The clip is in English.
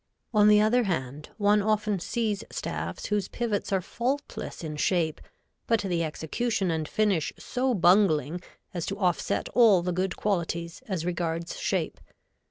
On the other hand, one often sees staffs whose pivots are faultless in shape, but the execution and finish so bungling as to offset all the good qualities as regards shape.